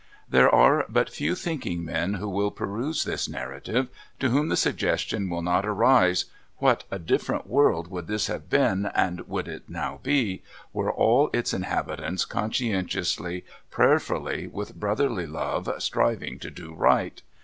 There are but few thinking men who will peruse this narrative, to whom the suggestion will not arise, "What a different world would this have been, and would it now be, were all its inhabitants conscientiously, prayerfully, with brotherly love striving to do right."